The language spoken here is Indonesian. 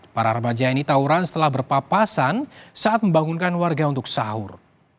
para remaja ini tawuran setelah berpapasan saat membangunkan warga untuk sahur